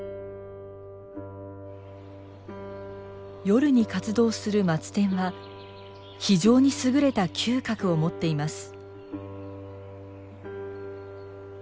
夜に活動するマツテンは非常に優れた嗅覚を持っています。